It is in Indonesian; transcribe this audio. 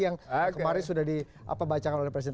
yang kemarin sudah dibacakan oleh presiden